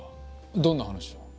どんな話を？